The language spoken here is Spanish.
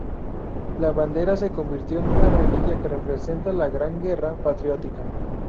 La bandera se convirtió en una reliquia que representa la Gran Guerra Patriótica.